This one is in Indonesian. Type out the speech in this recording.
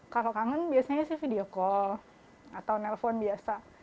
kalau kangen biasanya sih video call atau nelpon biasa